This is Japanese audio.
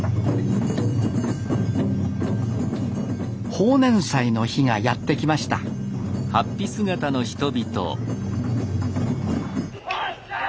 豊年祭の日がやって来ましたわっしょい！